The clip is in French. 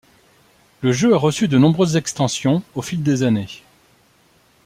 Le jeu a reçu de nombreuses extensions au fil des années.